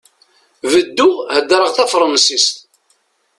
Bedduɣ ḥefḍeɣ tafṛansist.